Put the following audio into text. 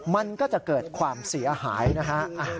มันก็จะเกิดความเสียหายนะฮะ